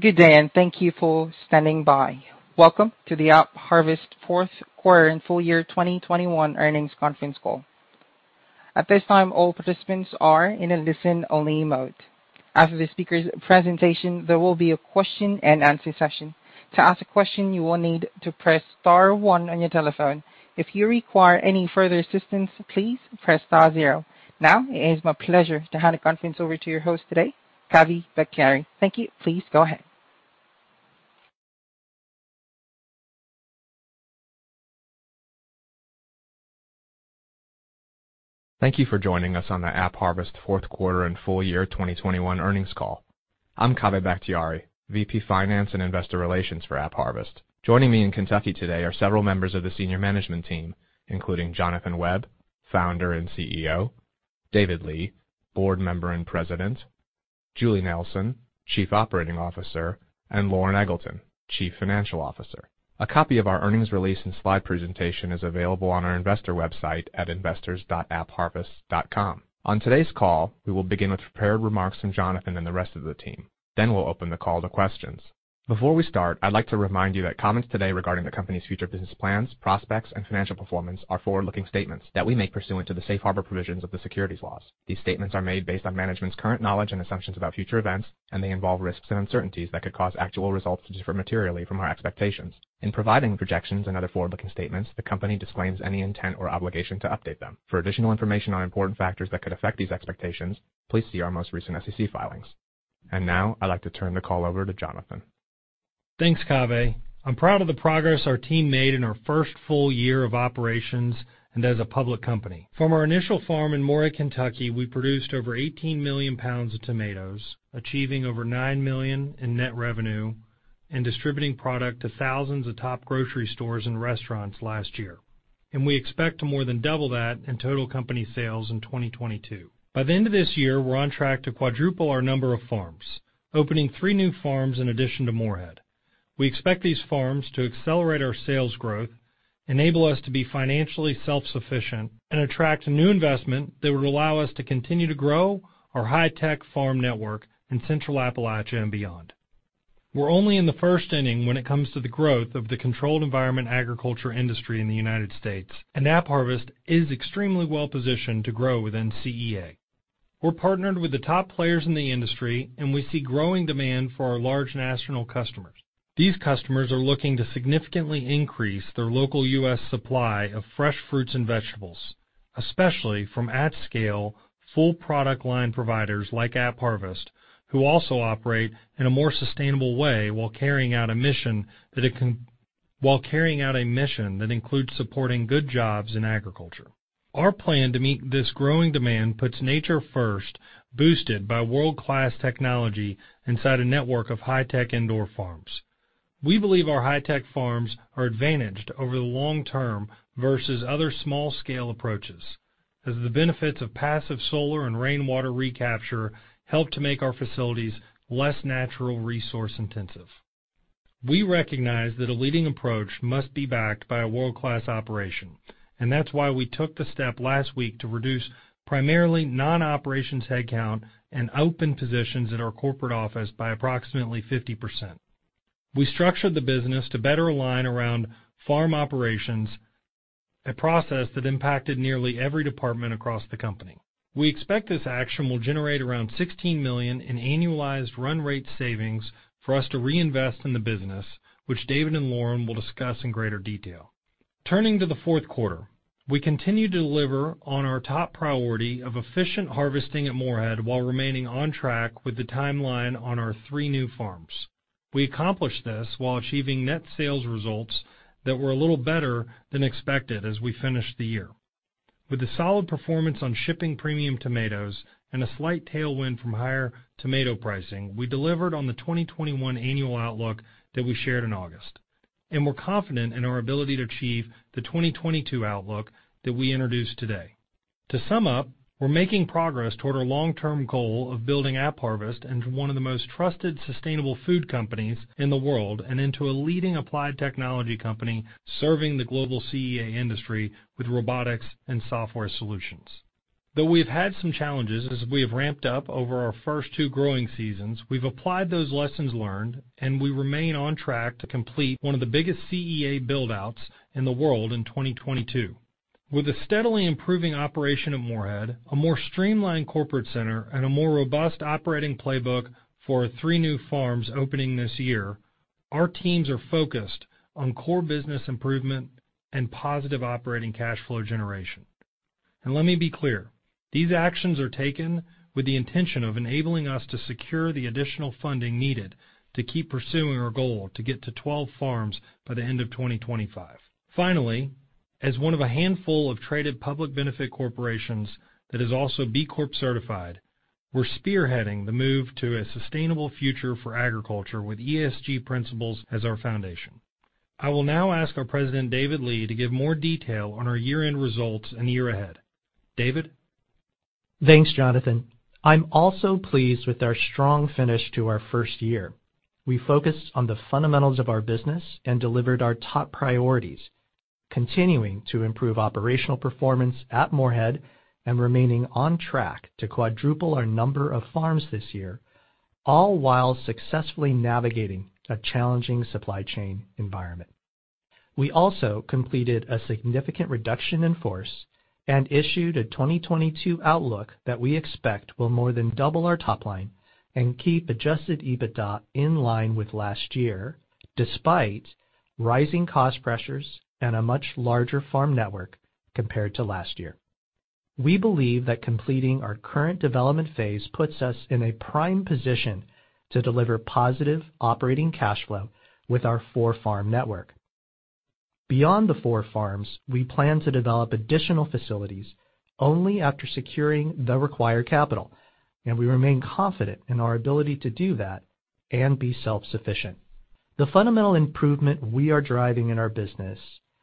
Good day, and thank you for standing by. Welcome to the AppHarvest Fourth Quarter and Full Year 2021 Earnings Conference Call. At this time, all participants are in a listen-only mode. After the speaker's presentation, there will be a question-and-answer session. To ask a question, you will need to press star one on your telephone. If you require any further assistance, please press star zero. Now it is my pleasure to hand the conference over to your host today, Kaveh Bakhtiari. Thank you. Please go ahead. Thank you for joining us on the AppHarvest Fourth Quarter and Full Year 2021 Earnings Call. I'm Kaveh Bakhtiari, VP Finance and Investor Relations for AppHarvest. Joining me in Kentucky today are several members of the senior management team, including Jonathan Webb, Founder and CEO, David Lee, Board Member and President, Julie Nelson, Chief Operating Officer, and Loren Eggleton, Chief Financial Officer. A copy of our earnings release and slide presentation is available on our investor website at investors.appharvest.com. On today's call, we will begin with prepared remarks from Jonathan and the rest of the team. Then we'll open the call to questions. Before we start, I'd like to remind you that comments today regarding the company's future business plans, prospects, and financial performance are forward-looking statements that we make pursuant to the safe harbor provisions of the securities laws. These statements are made based on management's current knowledge and assumptions about future events, and they involve risks and uncertainties that could cause actual results to differ materially from our expectations. In providing projections and other forward-looking statements, the company disclaims any intent or obligation to update them. For additional information on important factors that could affect these expectations, please see our most recent SEC filings. Now I'd like to turn the call over to Jonathan. Thanks, Kaveh. I'm proud of the progress our team made in our first full year of operations and as a public company. From our initial farm in Morehead, Kentucky, we produced over 18 million lbs of tomatoes, achieving over $9 million in net revenue and distributing product to thousands of top grocery stores and restaurants last year. We expect to more than double that in total company sales in 2022. By the end of this year, we're on track to quadruple our number of farms, opening three new farms in addition to Morehead. We expect these farms to accelerate our sales growth, enable us to be financially self-sufficient, and attract new investment that would allow us to continue to grow our high-tech farm network in Central Appalachia and beyond. We're only in the first inning when it comes to the growth of the controlled environment agriculture industry in the United States, and AppHarvest is extremely well-positioned to grow within CEA. We're partnered with the top players in the industry, and we see growing demand for our large national customers. These customers are looking to significantly increase their local U.S. supply of fresh fruits and vegetables, especially from at-scale, full-product line providers like AppHarvest, who also operate in a more sustainable way while carrying out a mission that includes supporting good jobs in agriculture. Our plan to meet this growing demand puts nature first, boosted by world-class technology inside a network of high-tech indoor farms. We believe our high-tech farms are advantaged over the long term versus other small-scale approaches, as the benefits of passive solar and rainwater recapture help to make our facilities less natural resource intensive. We recognize that a leading approach must be backed by a world-class operation, and that's why we took the step last week to reduce primarily non-operations headcount and open positions at our corporate office by approximately 50%. We structured the business to better align around farm operations, a process that impacted nearly every department across the company. We expect this action will generate around $16 million in annualized run rate savings for us to reinvest in the business, which David and Loren will discuss in greater detail. Turning to the fourth quarter. We continue to deliver on our top priority of efficient harvesting at Morehead while remaining on track with the timeline on our three new farms. We accomplished this while achieving net sales results that were a little better than expected as we finished the year. With the solid performance on shipping premium tomatoes and a slight tailwind from higher tomato pricing, we delivered on the 2021 annual outlook that we shared in August, and we're confident in our ability to achieve the 2022 outlook that we introduced today. To sum up, we're making progress toward our long-term goal of building AppHarvest into one of the most trusted, sustainable food companies in the world and into a leading applied technology company serving the global CEA industry with robotics and software solutions. Though we've had some challenges as we have ramped up over our first two growing seasons, we've applied those lessons learned, and we remain on track to complete one of the biggest CEA build-outs in the world in 2022. With a steadily improving operation at Morehead, a more streamlined corporate center, and a more robust operating playbook for our three new farms opening this year, our teams are focused on core business improvement and positive operating cash flow generation. Let me be clear, these actions are taken with the intention of enabling us to secure the additional funding needed to keep pursuing our goal to get to 12 farms by the end of 2025. Finally, as one of a handful of traded public benefit corporations that is also B Corp certified, we're spearheading the move to a sustainable future for agriculture with ESG principles as our foundation. I will now ask our President, David Lee, to give more detail on our year-end results and the year ahead. David? Thanks, Jonathan. I'm also pleased with our strong finish to our first year. We focused on the fundamentals of our business and delivered our top priorities. Continuing to improve operational performance at Morehead and remaining on track to quadruple our number of farms this year, all while successfully navigating a challenging supply chain environment. We also completed a significant reduction in force and issued a 2022 outlook that we expect will more than double our top line and keep Adjusted EBITDA in line with last year, despite rising cost pressures and a much larger farm network compared to last year. We believe that completing our current development phase puts us in a prime position to deliver positive operating cash flow with our four-farm network. Beyond the four farms, we plan to develop additional facilities only after securing the required capital, and we remain confident in our ability to do that and be self-sufficient. The fundamental improvement we are driving in our business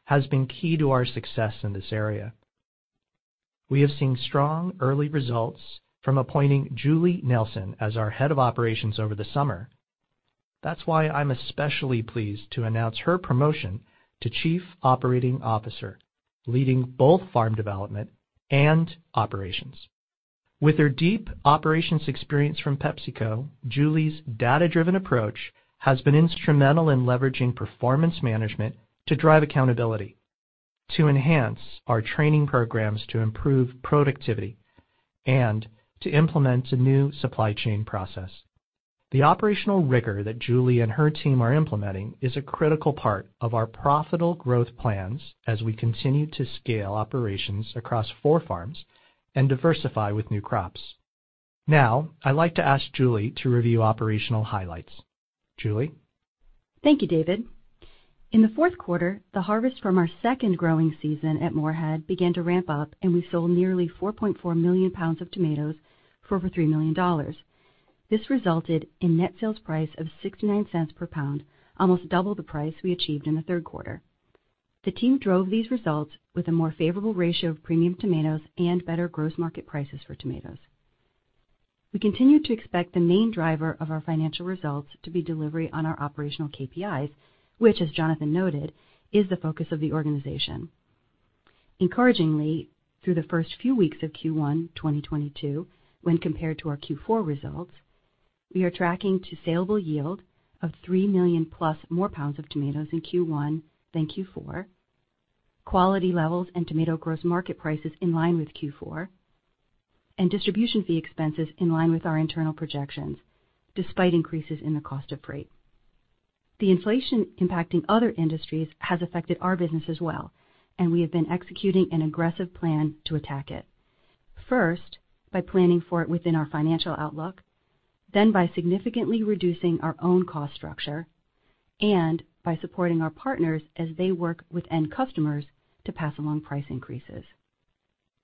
has been key to our success in this area. We have seen strong early results from appointing Julie Nelson as our Head of Operations over the summer. That's why I'm especially pleased to announce her promotion to Chief Operating Officer, leading both farm development and operations. With her deep operations experience from PepsiCo, Julie's data-driven approach has been instrumental in leveraging performance management to drive accountability, to enhance our training programs to improve productivity, and to implement a new supply chain process. The operational rigor that Julie and her team are implementing is a critical part of our profitable growth plans as we continue to scale operations across four farms and diversify with new crops. Now, I'd like to ask Julie to review operational highlights. Julie? Thank you, David. In the fourth quarter, the harvest from our second growing season at Morehead began to ramp up, and we sold nearly 4.4 million lbs of tomatoes for over $3 million. This resulted in net sales price of $0.69 per pound, almost double the price we achieved in the third quarter. The team drove these results with a more favorable ratio of premium tomatoes and better gross market prices for tomatoes. We continue to expect the main driver of our financial results to be delivery on our operational KPIs, which, as Jonathan noted, is the focus of the organization. Encouragingly, through the first few weeks of Q1 2022, when compared to our Q4 results, we are tracking to saleable yield of 3 million+ more pounds of tomatoes in Q1 than Q4. Quality levels and tomato gross market price is in line with Q4, and distribution fee expenses in line with our internal projections, despite increases in the cost of freight. The inflation impacting other industries has affected our business as well, and we have been executing an aggressive plan to attack it. First, by planning for it within our financial outlook, then by significantly reducing our own cost structure, and by supporting our partners as they work with end customers to pass along price increases.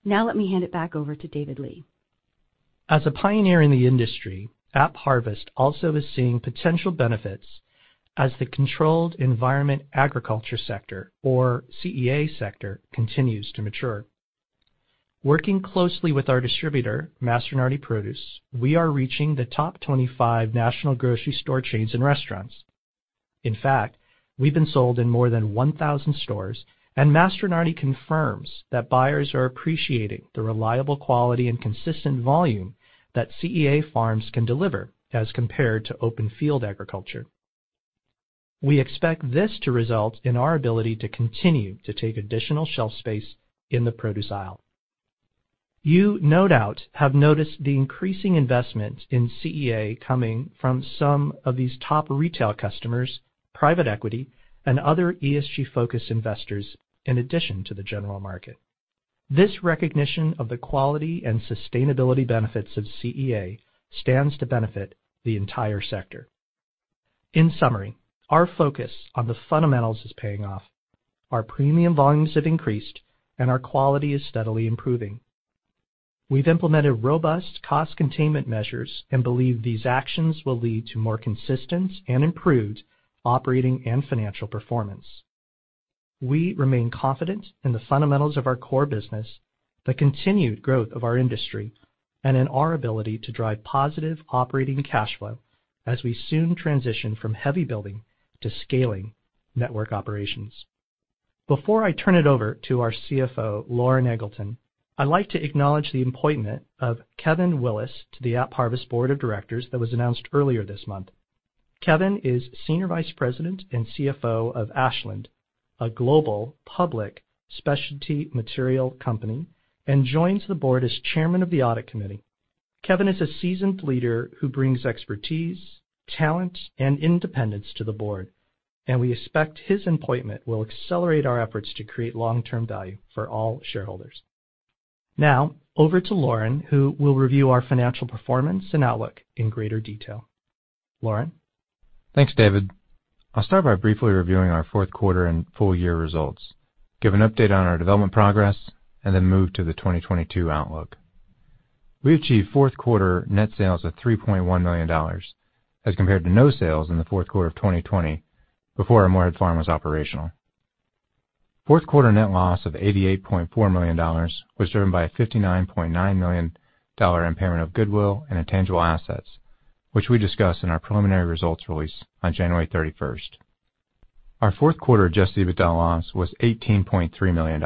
Now let me hand it back over to David Lee. As a pioneer in the industry, AppHarvest also is seeing potential benefits as the Controlled Environment Agriculture sector, or CEA sector, continues to mature. Working closely with our distributor, Mastronardi Produce, we are reaching the top 25 national grocery store chains and restaurants. In fact, we've been sold in more than 1,000 stores, and Mastronardi confirms that buyers are appreciating the reliable quality and consistent volume that CEA farms can deliver as compared to open field agriculture. We expect this to result in our ability to continue to take additional shelf space in the produce aisle. You no doubt have noticed the increasing investment in CEA coming from some of these top retail customers, private equity, and other ESG-focused investors, in addition to the general market. This recognition of the quality and sustainability benefits of CEA stands to benefit the entire sector. In summary, our focus on the fundamentals is paying off. Our premium volumes have increased, and our quality is steadily improving. We've implemented robust cost containment measures and believe these actions will lead to more consistent and improved operating and financial performance. We remain confident in the fundamentals of our core business, the continued growth of our industry, and in our ability to drive positive operating cash flow as we soon transition from heavy building to scaling network operations. Before I turn it over to our CFO, Loren Eggleton, I'd like to acknowledge the appointment of Kevin Willis to the AppHarvest board of directors that was announced earlier this month. Kevin is Senior Vice President and CFO of Ashland, a global public specialty material company, and joins the board as Chairman of the Audit Committee. Kevin is a seasoned leader who brings expertise, talent, and independence to the board, and we expect his appointment will accelerate our efforts to create long-term value for all shareholders. Now over to Loren, who will review our financial performance and outlook in greater detail. Loren? Thanks, David. I'll start by briefly reviewing our fourth quarter and full year results, give an update on our development progress, and then move to the 2022 outlook. We achieved fourth quarter net sales of $3.1 million as compared to no sales in the fourth quarter of 2020 before our Morehead farm was operational. Fourth quarter net loss of $88.4 million was driven by a $59.9 million impairment of goodwill and intangible assets, which we discuss in our preliminary results release on January 31. Our fourth quarter Adjusted EBITDA loss was $18.3 million.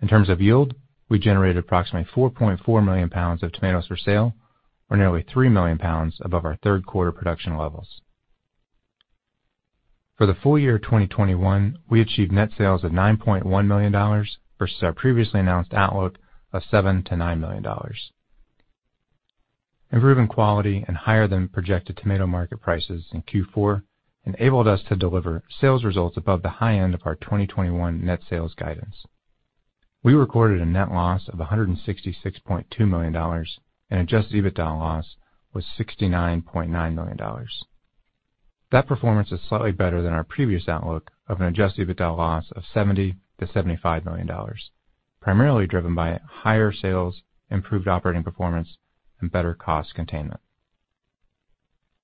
In terms of yield, we generated approximately 4.4 million lbs of tomatoes for sale, or nearly 3 million lbs above our third quarter production levels. For the full year 2021, we achieved net sales of $9.1 million versus our previously announced outlook of $7 million-$9 million. Improving quality and higher than projected tomato market prices in Q4 enabled us to deliver sales results above the high end of our 2021 net sales guidance. We recorded a net loss of $166.2 million, and Adjusted EBITDA loss was $69.9 million. That performance is slightly better than our previous outlook of an Adjusted EBITDA loss of $70 million-$75 million, primarily driven by higher sales, improved operating performance, and better cost containment.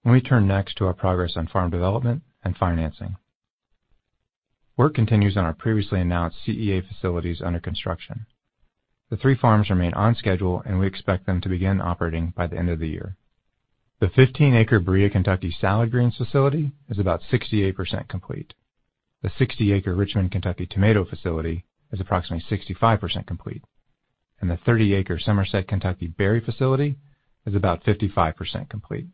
Let me turn next to our progress on farm development and financing. Work continues on our previously announced CEA facilities under construction. The three farms remain on schedule, and we expect them to begin operating by the end of the year. The 15-acre Berea, Kentucky, salad greens facility is about 68% complete. The 60-acre Richmond, Kentucky, tomato facility is approximately 65% complete, and the 30-acre Somerset, Kentucky, berry facility is about 55% complete.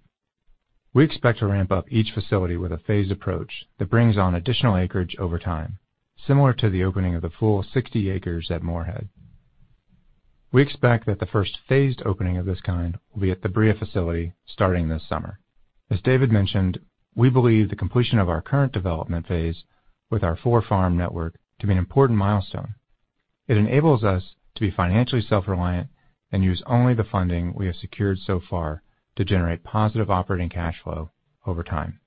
We expect to ramp up each facility with a phased approach that brings on additional acreage over time, similar to the opening of the full 60 acres at Morehead. We expect that the first phased opening of this kind will be at the Berea facility starting this summer. As David mentioned, we believe the completion of our current development phase with our four-farm network to be an important milestone. It enables us to be financially self-reliant and use only the funding we have secured so far to generate positive operating cash flow over time.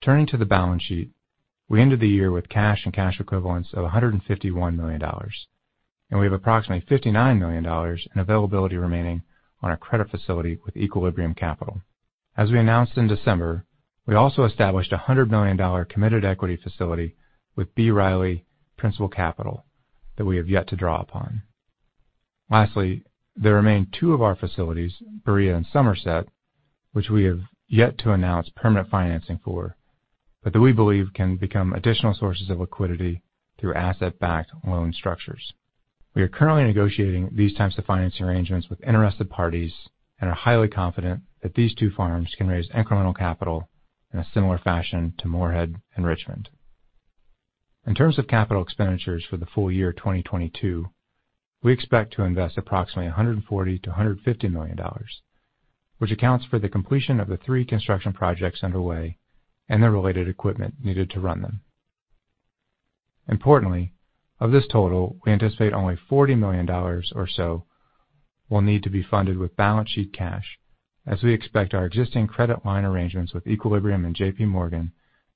Turning to the balance sheet, we ended the year with cash and cash equivalents of $151 million, and we have approximately $59 million in availability remaining on our credit facility with Equilibrium Capital. As we announced in December, we also established a $100 million committed equity facility with B. Riley Principal Capital that we have yet to draw upon. Lastly, there remain two of our facilities, Berea and Somerset, which we have yet to announce permanent financing for, but that we believe can become additional sources of liquidity through asset-backed loan structures. We are currently negotiating these types of financing arrangements with interested parties and are highly confident that these two farms can raise incremental capital in a similar fashion to Morehead and Richmond. In terms of capital expenditures for the full year 2022, we expect to invest approximately $140 million-$150 million, which accounts for the completion of the three construction projects underway and the related equipment needed to run them. Importantly, of this total, we anticipate only $40 million or so will need to be funded with balance sheet cash as we expect our existing credit line arrangements with Equilibrium and JPMorgan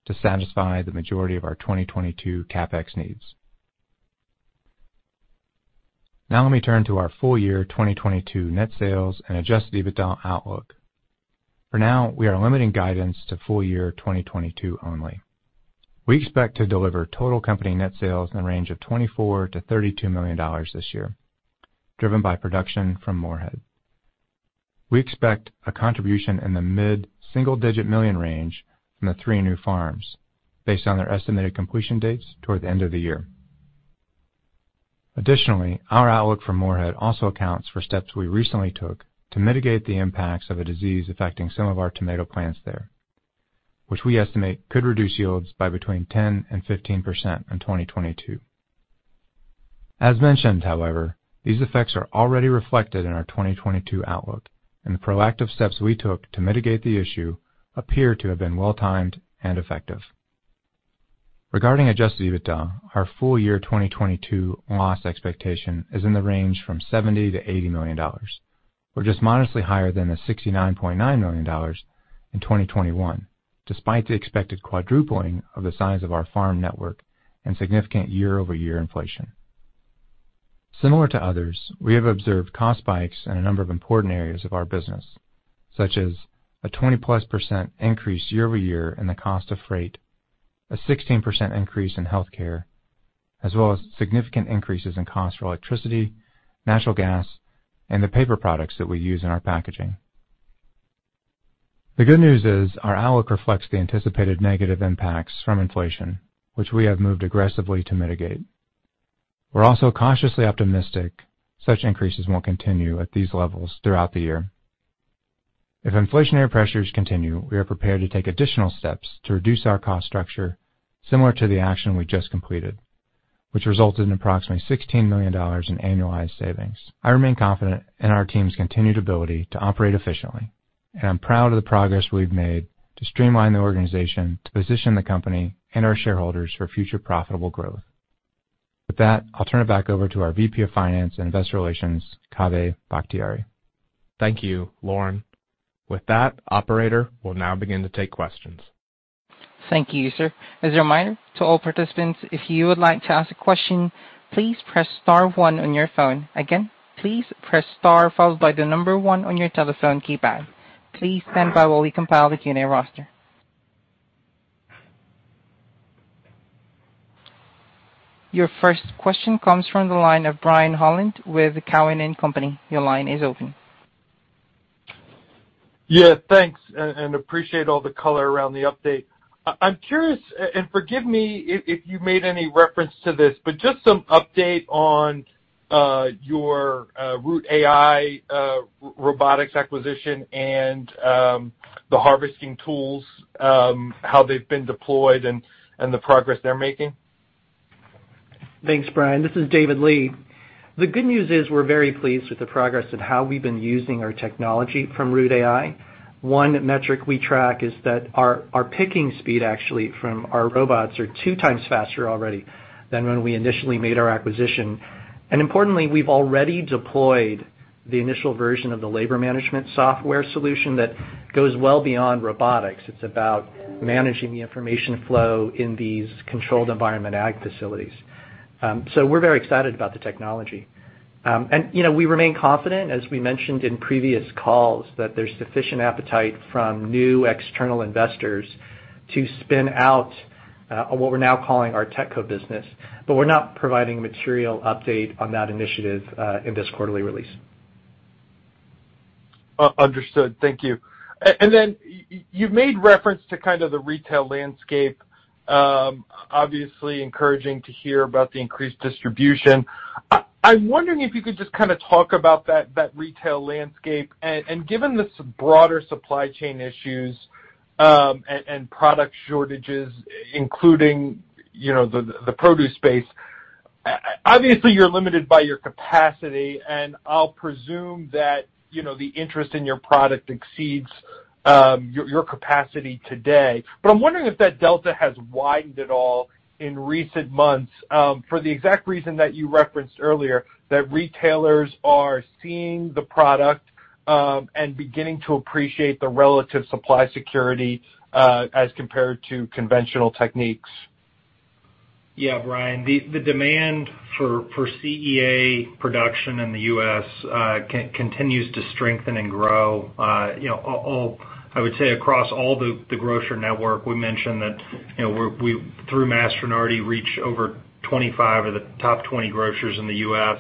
to satisfy the majority of our 2022 CapEx needs. Now let me turn to our full year 2022 net sales and Adjusted EBITDA outlook. For now, we are limiting guidance to full year 2022 only. We expect to deliver total company net sales in the range of $24 million-$32 million this year, driven by production from Morehead. We expect a contribution in the mid-single-digit million range from the three new farms based on their estimated completion dates toward the end of the year. Additionally, our outlook for Morehead also accounts for steps we recently took to mitigate the impacts of a disease affecting some of our tomato plants there, which we estimate could reduce yields by between 10% and 15% in 2022. As mentioned, however, these effects are already reflected in our 2022 outlook, and the proactive steps we took to mitigate the issue appear to have been well timed and effective. Regarding Adjusted EBITDA, our full year 2022 loss expectation is in the range from $70 million-$80 million. We're just modestly higher than the $69.9 million in 2021, despite the expected quadrupling of the size of our farm network and significant year-over-year inflation. Similar to others, we have observed cost spikes in a number of important areas of our business, such as a 20+% increase year-over-year in the cost of freight, a 16% increase in healthcare, as well as significant increases in cost for electricity, natural gas, and the paper products that we use in our packaging. The good news is our outlook reflects the anticipated negative impacts from inflation, which we have moved aggressively to mitigate. We're also cautiously optimistic such increases won't continue at these levels throughout the year. If inflationary pressures continue, we are prepared to take additional steps to reduce our cost structure similar to the action we just completed, which resulted in approximately $16 million in annualized savings. I remain confident in our team's continued ability to operate efficiently, and I'm proud of the progress we've made to streamline the organization to position the company and our shareholders for future profitable growth. With that, I'll turn it back over to our VP of Finance and Investor Relations, Kaveh Bakhtiari. Thank you, Loren. With that, operator, we'll now begin to take questions. Thank you, sir. As a reminder to all participants, if you would like to ask a question, please press star one on your phone. Again, please press star followed by the number one on your telephone keypad. Please stand by while we compile the Q&A roster. Your first question comes from the line of Brian Holland with Cowen and Company. Your line is open. Yeah, thanks, and I appreciate all the color around the update. I'm curious, and forgive me if you made any reference to this, but just some update on your Root AI robotics acquisition and the harvesting tools, how they've been deployed and the progress they're making. Thanks, Brian. This is David Lee. The good news is we're very pleased with the progress and how we've been using our technology from Root AI. One metric we track is that our picking speed actually from our robots are 2x faster already than when we initially made our acquisition. Importantly, we've already deployed the initial version of the labor management software solution that goes well beyond robotics. It's about managing the information flow in these controlled environment ag facilities. We're very excited about the technology. You know, we remain confident, as we mentioned in previous calls, that there's sufficient appetite from new external investors to spin out what we're now calling our tech co business, but we're not providing material update on that initiative in this quarterly release. Understood. Thank you. Then you've made reference to kind of the retail landscape, obviously encouraging to hear about the increased distribution. I'm wondering if you could just kind of talk about that retail landscape. Given the broader supply chain issues, and product shortages, including, you know, the produce space, obviously, you're limited by your capacity, and I'll presume that, you know, the interest in your product exceeds your capacity today. I'm wondering if that delta has widened at all in recent months, for the exact reason that you referenced earlier, that retailers are seeing the product, and beginning to appreciate the relative supply security, as compared to conventional techniques. Yeah, Brian. The demand for CEA production in the U.S. continues to strengthen and grow, you know, I would say across all the grocer network. We mentioned that, you know, we through Mastronardi reach over 25 of the top 20 grocers in the U.S.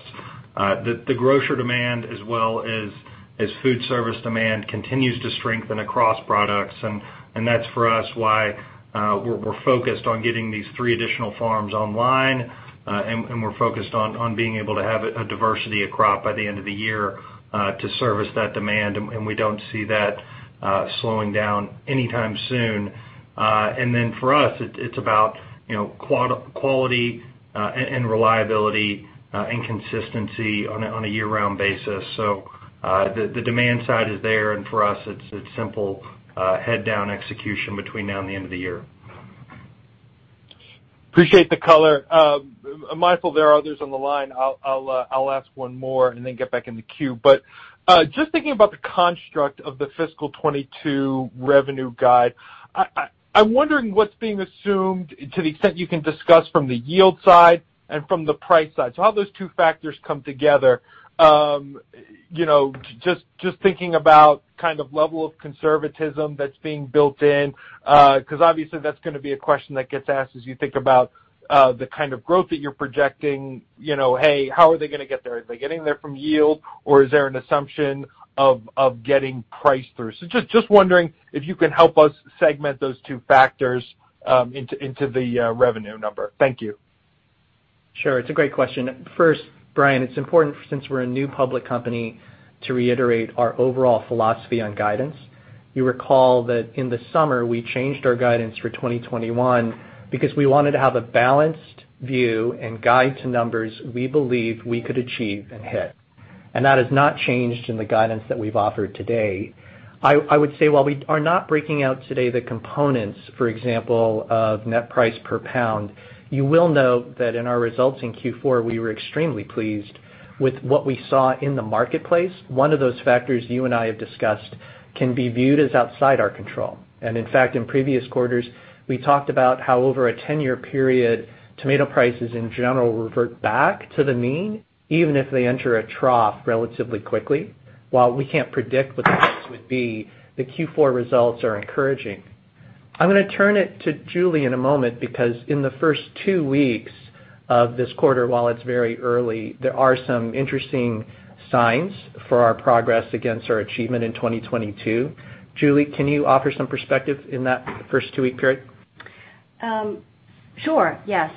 The grocer demand as well as food service demand continues to strengthen across products. That's for us why we're focused on getting these three additional farms online, and we're focused on being able to have a diversity of crop by the end of the year to service that demand, and we don't see that slowing down anytime soon. For us, it's about, you know, quality, and reliability, and consistency on a year-round basis. The demand side is there, and for us, it's simple, head down execution between now and the end of the year. Appreciate the color. I'm mindful there are others on the line. I'll ask one more and then get back in the queue. Just thinking about the construct of the fiscal 2022 revenue guide, I'm wondering what's being assumed to the extent you can discuss from the yield side and from the price side. How those two factors come together. You know, just thinking about kind of level of conservatism that's being built in, 'cause obviously that's gonna be a question that gets asked as you think about the kind of growth that you're projecting. You know, hey, how are they gonna get there? Are they getting there from yield, or is there an assumption of getting price through? Just wondering if you can help us segment those two factors into the revenue number. Thank you. Sure. It's a great question. First, Brian, it's important since we're a new public company to reiterate our overall philosophy on guidance. You recall that in the summer, we changed our guidance for 2021 because we wanted to have a balanced view and guide to numbers we believe we could achieve and hit. That has not changed in the guidance that we've offered today. I would say while we are not breaking out today the components, for example, of net price per pound, you will note that in our results in Q4, we were extremely pleased with what we saw in the marketplace. One of those factors you and I have discussed can be viewed as outside our control. In fact, in previous quarters, we talked about how over a 10-year period, tomato prices in general revert back to the mean, even if they enter a trough relatively quickly. While we can't predict what the price would be, the Q4 results are encouraging. I'm gonna turn it to Julie in a moment because in the first two weeks of this quarter, while it's very early, there are some interesting signs for our progress against our achievement in 2022. Julie, can you offer some perspective in that first two-week period? Sure. Yes.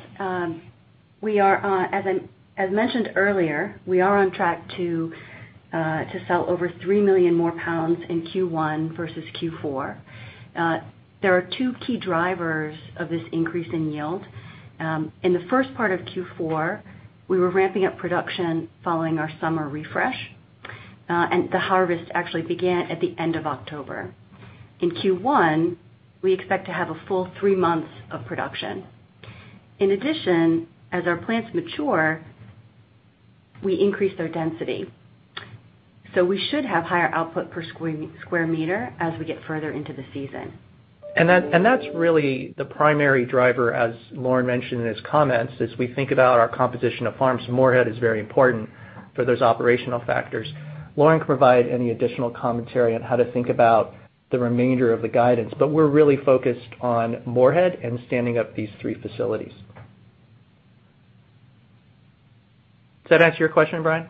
We are, as I mentioned earlier, on track to sell over 3 million more pounds in Q1 versus Q4. There are two key drivers of this increase in yield. In the first part of Q4, we were ramping up production following our summer refresh, and the harvest actually began at the end of October. In Q1, we expect to have a full three months of production. In addition, as our plants mature, we increase their density. We should have higher output per square meter as we get further into the season. That's really the primary driver, as Loren mentioned in his comments. As we think about our composition of farms, Morehead is very important for those operational factors. Loren can provide any additional commentary on how to think about the remainder of the guidance, but we're really focused on Morehead and standing up these three facilities. Does that answer your question, Brian?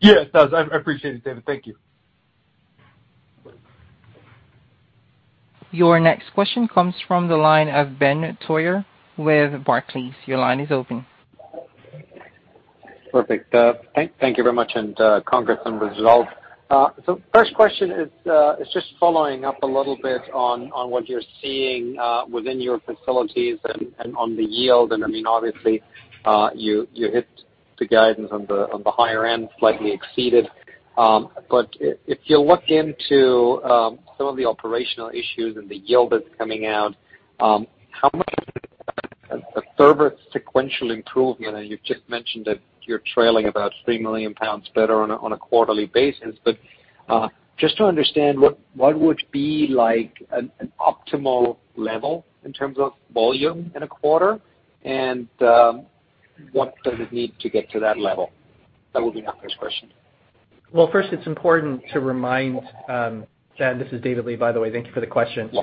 Yes, it does. I appreciate it, David. Thank you. Your next question comes from the line of Ben Theurer with Barclays. Your line is open. Perfect. Thank you very much, and congrats on results. So first question is just following up a little bit on what you're seeing within your facilities and on the yield. I mean, obviously, you hit the guidance on the higher end, slightly exceeded. If you look into some of the operational issues and the yield that's coming out, how much further sequential improvement, and you've just mentioned that you're trailing about 3 million lbs better on a quarterly basis. Just to understand what would be like an optimal level in terms of volume in a quarter? What does it need to get to that level? That will be my first question. Well, first it's important to remind, Ben, this is David Lee, by the way. Thank you for the question. Yeah.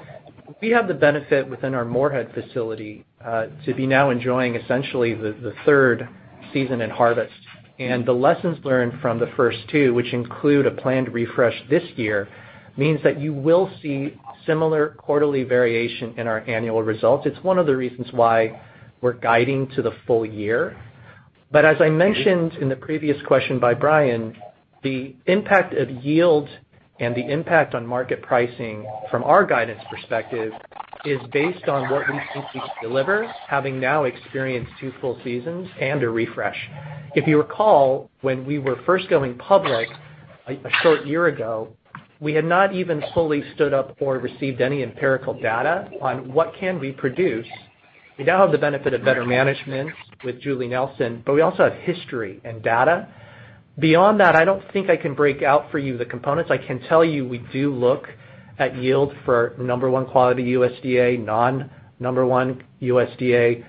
We have the benefit within our Morehead facility to be now enjoying essentially the third season in harvest. The lessons learned from the first two, which include a planned refresh this year, means that you will see similar quarterly variation in our annual results. It's one of the reasons why we're guiding to the full year. As I mentioned in the previous question by Brian, the impact of yield and the impact on market pricing from our guidance perspective is based on what we think we can deliver, having now experienced two full seasons and a refresh. If you recall, when we were first going public a short year ago, we had not even fully stood up or received any empirical data on what can we produce. We now have the benefit of better management with Julie Nelson, but we also have history and data. Beyond that, I don't think I can break out for you the components. I can tell you, we do look at yield for No. 1 quality USDA, non-No. 1 USDA.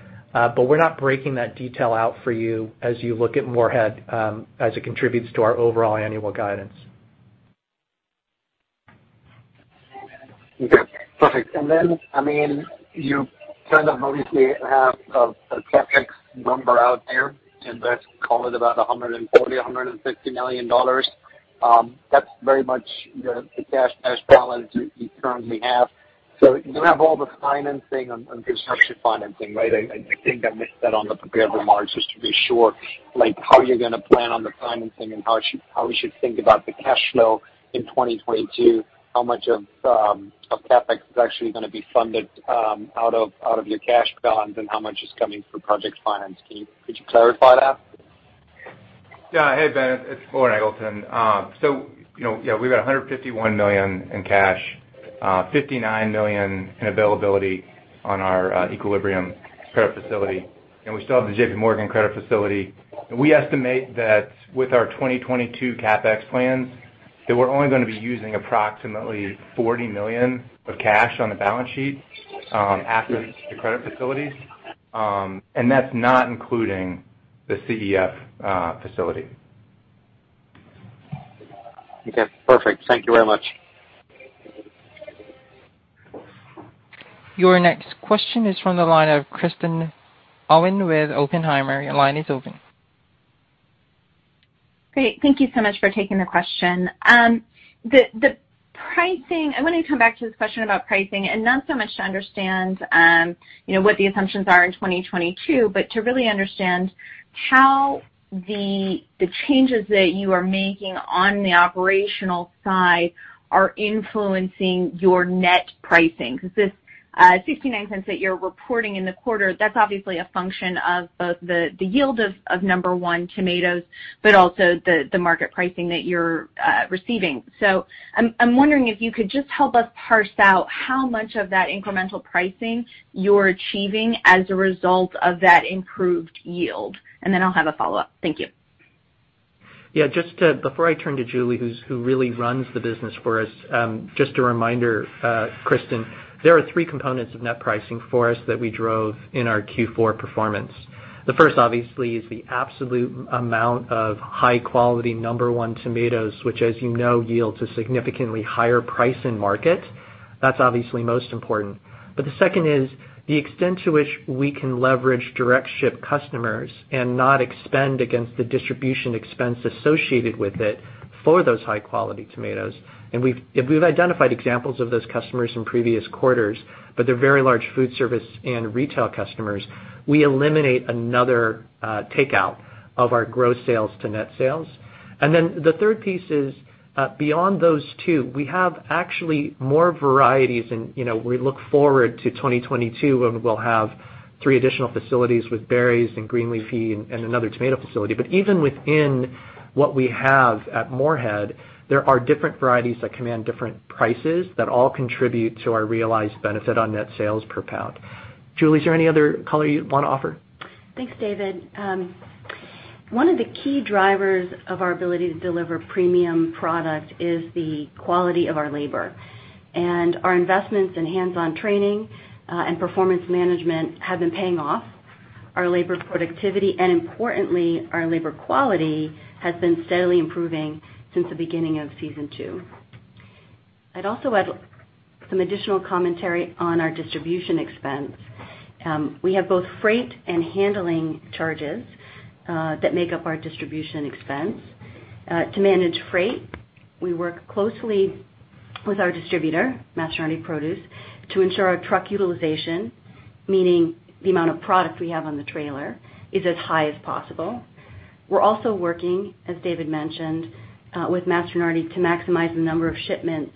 We're not breaking that detail out for you as you look at Morehead, as it contributes to our overall annual guidance. Okay. Perfect. Then, I mean, you kind of obviously have a CapEx number out there, and let's call it about $140 million-$150 million. That's very much the cash balance you currently have. So you don't have all the financing on construction financing, right? I think I missed that on the prepared remarks, just to be sure, like how you're gonna plan on the financing and how we should think about the cash flow in 2022, how much of CapEx is actually gonna be funded out of your cash balance and how much is coming from project finance. Could you clarify that? Yeah. Hey, Ben, it's Loren Eggleton. So, you know, yeah, we've got $151 million in cash, 59 million in availability on our Equilibrium credit facility, and we still have the JPMorgan credit facility. We estimate that with our 2022 CapEx plans, that we're only gonna be using approximately $40 million of cash on the balance sheet after the credit facilities. That's not including the CEF facility. Okay. Perfect. Thank you very much. Your next question is from the line of Kristen Owen with Oppenheimer. Your line is open. Great. Thank you so much for taking the question. The pricing. I wanna come back to this question about pricing and not so much to understand, you know, what the assumptions are in 2022, but to really understand how the changes that you are making on the operational side are influencing your net pricing. 'Cause this $0.69 that you're reporting in the quarter, that's obviously a function of both the yield of number one tomatoes, but also the market pricing that you're receiving. I'm wondering if you could just help us parse out how much of that incremental pricing you're achieving as a result of that improved yield, and then I'll have a follow-up. Thank you. Yeah. Just to, before I turn to Julie, who really runs the business for us, just a reminder, Kristen, there are three components of net pricing for us that we drove in our Q4 performance. The first obviously is the absolute amount of high quality number one tomatoes, which as you know, yields a significantly higher price in market. That's obviously most important. But the second is the extent to which we can leverage direct ship customers and not expend against the distribution expense associated with it for those high quality tomatoes. If we've identified examples of those customers in previous quarters, but they're very large food service and retail customers, we eliminate another takeout of our gross sales to net sales. The third piece is, beyond those two, we have actually more varieties and, you know, we look forward to 2022 when we'll have three additional facilities with berries and green leafy and another tomato facility. Even within what we have at Morehead, there are different varieties that command different prices that all contribute to our realized benefit on net sales per pound. Julie, is there any other color you'd wanna offer? Thanks, David. One of the key drivers of our ability to deliver premium product is the quality of our labor. Our investments in hands-on training and performance management have been paying off. Our labor productivity and, importantly, our labor quality, has been steadily improving since the beginning of season two. I'd also add some additional commentary on our distribution expense. We have both freight and handling charges that make up our distribution expense. To manage freight, we work closely with our distributor, Mastronardi Produce, to ensure our truck utilization, meaning the amount of product we have on the trailer, is as high as possible. We're also working, as David mentioned, with Mastronardi to maximize the number of shipments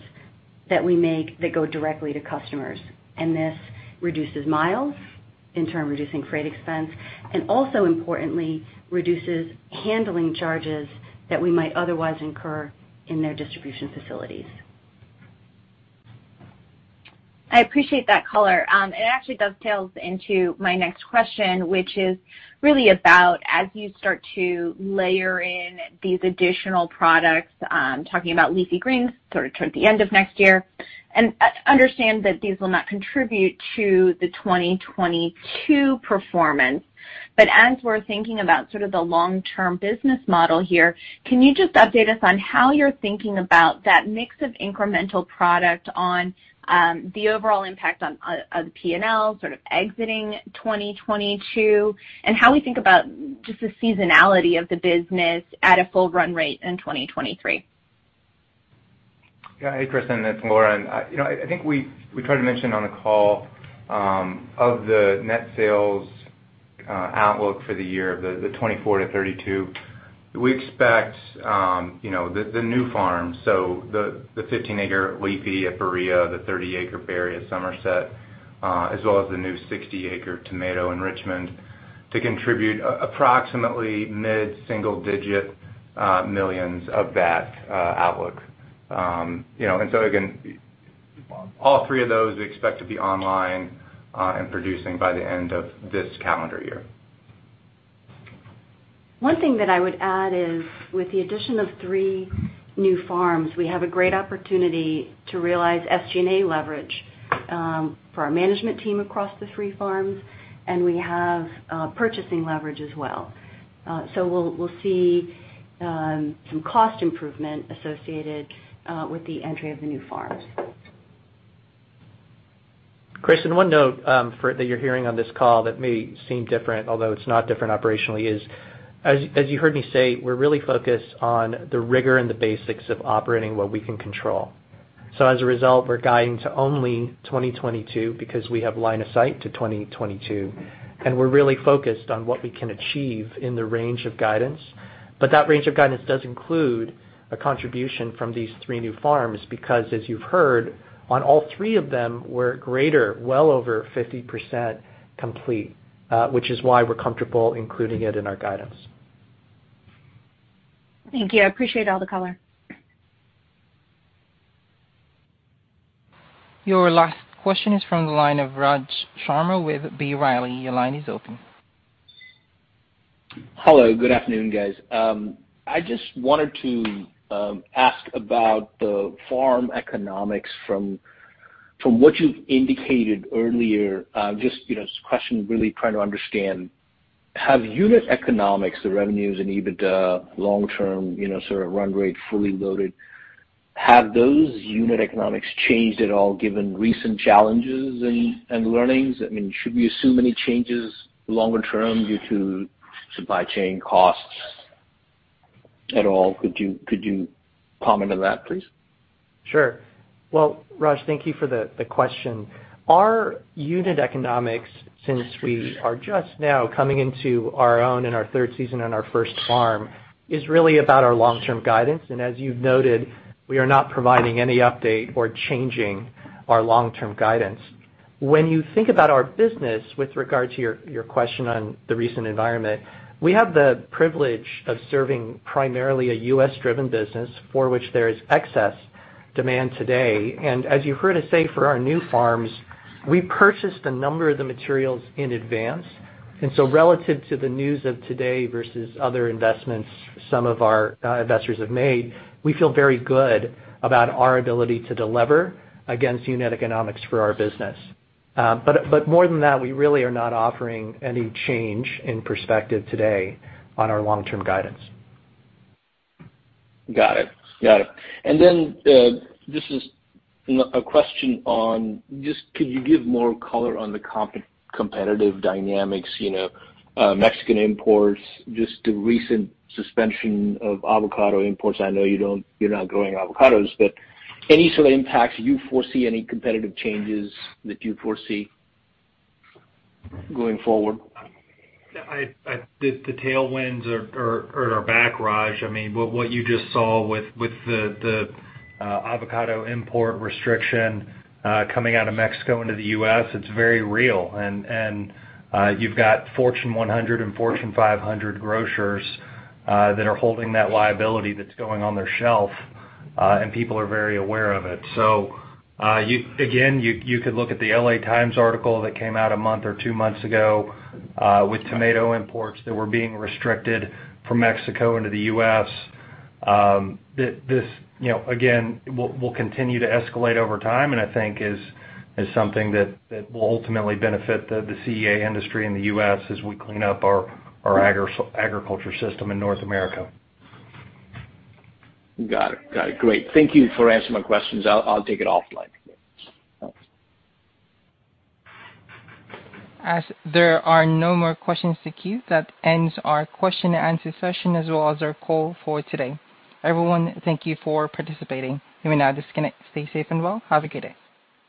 that we make that go directly to customers. This reduces miles, in turn reducing freight expense, and also importantly, reduces handling charges that we might otherwise incur in their distribution facilities. I appreciate that color. It actually dovetails into my next question, which is really about as you start to layer in these additional products, talking about leafy greens sort of toward the end of next year. I understand that these will not contribute to the 2022 performance. As we're thinking about sort of the long-term business model here, can you just update us on how you're thinking about that mix of incremental product on, the overall impact on the P&L sort of exiting 2022, and how we think about just the seasonality of the business at a full run rate in 2023? Yeah. Hey, Kristen, it's Loren Eggleton. You know, I think we tried to mention on the call the net sales outlook for the year $24 million-$32 million, we expect, you know, the new farms, so the 15-acre leafy at Berea, the 30-acre berry at Somerset, as well as the new 60-acre tomato in Richmond to contribute approximately mid-single-digit millions of that outlook. You know, again, all three of those we expect to be online and producing by the end of this calendar year. One thing that I would add is, with the addition of three new farms, we have a great opportunity to realize SG&A leverage for our management team across the three farms, and we have purchasing leverage as well. So we'll see some cost improvement associated with the entry of the new farms. Kristen, one note for that you're hearing on this call that may seem different, although it's not different operationally, is, as you heard me say, we're really focused on the rigor and the basics of operating what we can control. As a result, we're guiding to only 2022 because we have line of sight to 2022, and we're really focused on what we can achieve in the range of guidance. That range of guidance does include a contribution from these three new farms, because as you've heard, on all three of them, we're greater, well over 50% complete, which is why we're comfortable including it in our guidance. Thank you. I appreciate all the color. Your last question is from the line of Raj Sharma with B. Riley. Your line is open. Hello. Good afternoon, guys. I just wanted to ask about the farm economics from what you've indicated earlier, just, you know, this question really trying to understand, have unit economics, the revenues and EBITDA long term, you know, sort of run rate, fully loaded, have those unit economics changed at all given recent challenges and learnings? I mean, should we assume any changes longer term due to supply chain costs at all? Could you comment on that, please? Sure. Well, Raj, thank you for the question. Our unit economics, since we are just now coming into our own in our third season on our first farm, is really about our long-term guidance. As you've noted, we are not providing any update or changing our long-term guidance. When you think about our business with regard to your question on the recent environment, we have the privilege of serving primarily a U.S.-driven business for which there is excess demand today. As you heard us say for our new farms, we purchased a number of the materials in advance. Relative to the news of today versus other investments some of our investors have made, we feel very good about our ability to delever against unit economics for our business. More than that, we really are not offering any change in perspective today on our long-term guidance. Got it. Just as a question on just could you give more color on the competitive dynamics, you know, Mexican imports, just the recent suspension of avocado imports. I know you don't, you're not growing avocados, but any sort of impacts you foresee, any competitive changes that you foresee going forward? The tailwinds are back, Raj. I mean, what you just saw with the avocado import restriction coming out of Mexico into the U.S., it's very real. You've got Fortune 100 and Fortune 500 grocers that are holding that liability that's going on their shelf, and people are very aware of it. You could look at the L.A. Times article that came out a month or two months ago with tomato imports that were being restricted from Mexico into the U.S. This, you know, again, will continue to escalate over time, and I think is something that will ultimately benefit the CEA industry in the U.S. as we clean up our agriculture system in North America. Got it. Great. Thank you for answering my questions. I'll take it offline. As there are no more questions in the queue, that ends our question and answer session as well as our call for today. Everyone, thank you for participating. You may now disconnect. Stay safe and well. Have a good day.